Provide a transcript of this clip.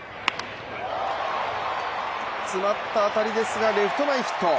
詰まった当たりですがレフト前ヒット。